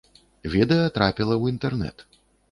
Відэа трапіла ў інтэрнэт.